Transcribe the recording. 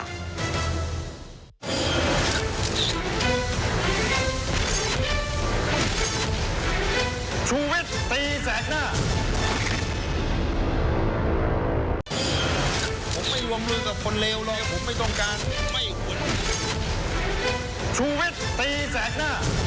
ไม่รวมรู้กับคนเลวเลยผมไม่ต้องการไม่ควร